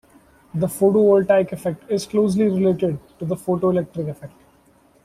The photovoltaic effect is closely related to the photoelectric effect.